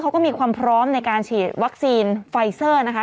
เขาก็มีความพร้อมในการฉีดวัคซีนไฟเซอร์นะคะ